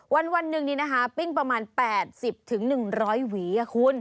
วันนึงเนี่ยนะคะปิ้งประมาณ๘๐๑๐๐วิธีครับคุณ